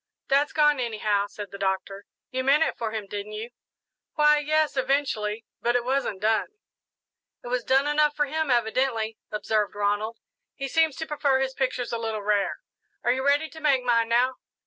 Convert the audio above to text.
"That's gone, anyhow," said the Doctor. "You meant it for him, didn't you?" "Why, yes, eventually; but it wasn't done." "It was done enough for him, evidently," observed Ronald; "he seems to prefer his pictures a little rare. Are you ready to make mine now?"